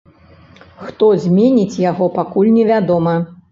Хто зменіць яго, пакуль невядома.